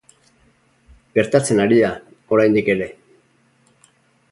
Gertatzen ari da, oraindik ere.